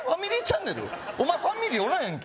お前ファミリーおらんやんけ